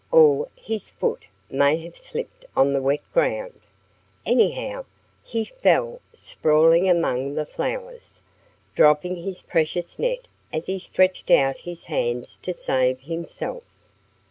Or his foot may have slipped on the wet ground. Anyhow, he fell sprawling among the flowers, dropping his precious net as he stretched out his hands to save himself.